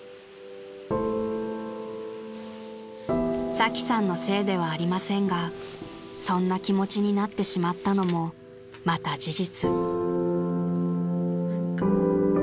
［サキさんのせいではありませんがそんな気持ちになってしまったのもまた事実］